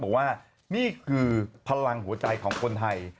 บอกว่านี่คือพลังหัวใจของคนไทย